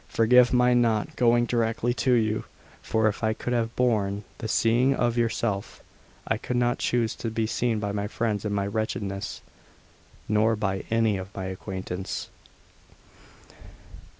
Forgive my not going directly to you, for if I could have borne the seeing of yourself, I could not choose to be seen by my friends in my wretchedness, nor by any of my acquaintance."